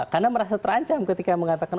karena merasa terancam ketika mengatakan